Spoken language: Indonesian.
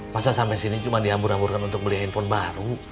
masa sampai sini cuma dihambur hamburkan untuk beli handphone baru